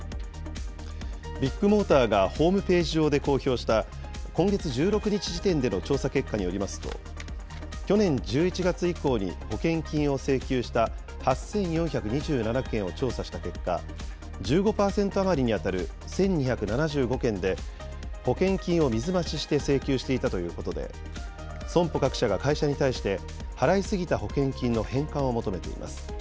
ビッグモーターがホームページ上で公表した、今月１６日時点での調査結果によりますと、去年１１月以降に保険金を請求した８４２７件を調査した結果、１５％余りに当たる１２７５件で、保険金を水増しして請求していたということで、損保各社が会社に対して、払い過ぎた保険金の返還を求めています。